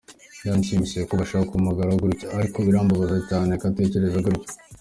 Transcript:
Byaranshimishije ko abasha kumpagararaho gutyo, ariko birambabaza cyane ko atekereza gutyo.